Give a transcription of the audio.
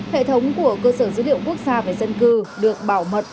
hệ thống của cơ sở dữ liệu quốc gia về dân cư được bảo mật